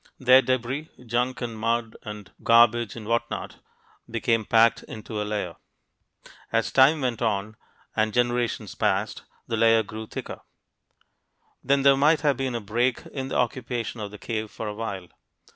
Their debris junk and mud and garbage and what not became packed into a layer. As time went on, and generations passed, the layer grew thicker. Then there might have been a break in the occupation of the cave for a while.